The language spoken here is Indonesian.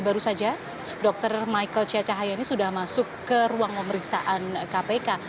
baru saja dr michael ciacahaya ini sudah masuk ke ruang pemeriksaan kpk